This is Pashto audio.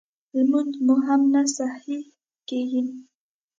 لمونځ مو هم نه صحیح کېږي